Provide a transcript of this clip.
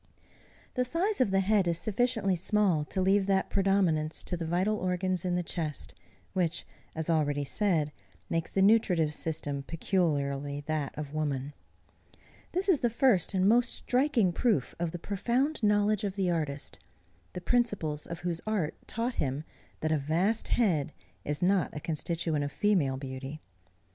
The size of the head is sufficiently small to leave that predominance to the vital organs in the chest, which, as already said, makes the nutritive system peculiarly that of woman. This is the first and most striking proof of the profound knowledge of the artist, the principles of whose art taught him that a vast head is not a constituent of female beauty.